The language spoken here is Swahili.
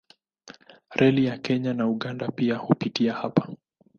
Reli ya Kenya na Uganda pia hupitia hapa.